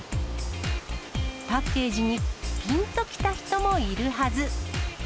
パッケージにぴんときた人もいるはず。